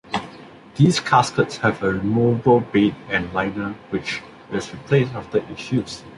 These caskets have a removable bed and liner which is replaced after each use.